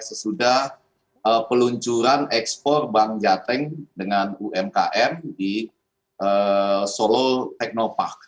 sesudah peluncuran ekspor bank jateng dengan umkm di solo technopark